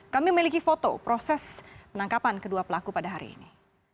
kami memiliki foto proses penangkapan kedua pelaku pada hari ini